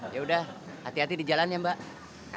yaudah hati hati di jalan ya mbak